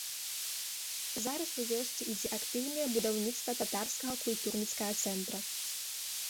Зараз у вёсцы ідзе актыўнае будаўніцтва татарскага культурніцкага цэнтра.